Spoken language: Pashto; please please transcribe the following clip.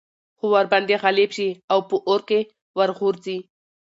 خو ورباندي غالب شي او په اور كي ورغورځي